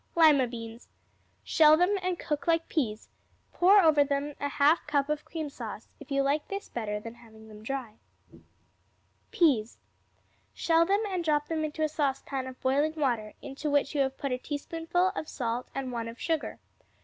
Lima Beans Shell them and cook like peas; pour over them a half cup of cream sauce, if you like this better than having them dry. Peas Shell them and drop them into a saucepan of boiling water, into which you have put a teaspoonful of salt and one of sugar.